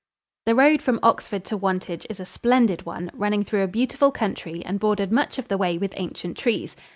The road from Oxford to Wantage is a splendid one, running through a beautiful country and bordered much of the way with ancient trees.